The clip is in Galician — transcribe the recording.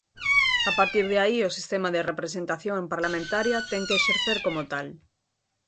A partir de aí o sistema de representación parlamentaria ten que exercer como tal.